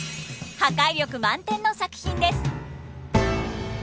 破壊力満点の作品です。